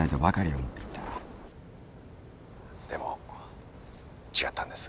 でも違ったんです。